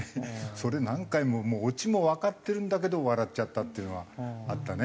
それ何回もオチもわかってるんだけど笑っちゃったっていうのはあったね。